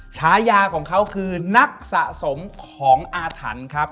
ฉายาของเขาคือนักสะสมของอาถรรพ์ครับ